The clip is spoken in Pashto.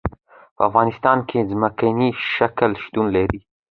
په افغانستان کې ځمکنی شکل شتون لري.